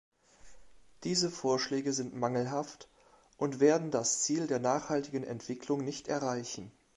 Diese Vorschläge sind mangelhaft und werden das Ziel der nachhaltigen Entwicklung nicht erreichen.